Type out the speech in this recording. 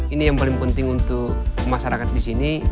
ini yang paling penting untuk masyarakat di sini